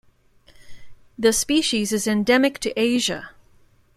The species is endemic to Asia.